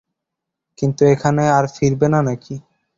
কিন্তু এখানে আর ফিরবে না নাকি?